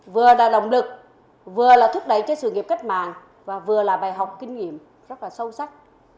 vừa là động lực vừa là thúc đẩy cho sự nghiệp cách mạng và vừa là bài học kinh nghiệm rất là sâu sắc